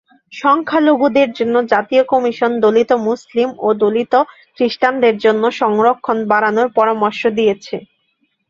সংখ্যালঘুদের জন্য জাতীয় কমিশন দলিত মুসলমান ও দলিত খ্রিস্টানদের জন্য সংরক্ষণ বাড়ানোর পরামর্শ দিয়েছে।